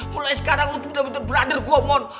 mulai sekarang lo bener bener brother gue mon